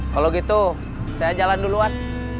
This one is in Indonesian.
kalau gitu saya jalan duluan